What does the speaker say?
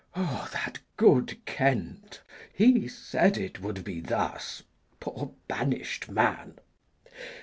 Ah, that good Kent! He said it would be thus poor banish'd man!